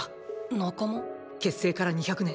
結成から２００年